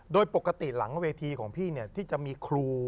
โดยปกติหลังเวทีของพี่ที่จะมีครู